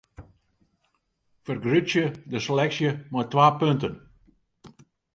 Fergrutsje de seleksje mei twa punten.